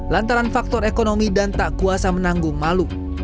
lantaran faktor ekonomi dan tak kuasa menanggung malu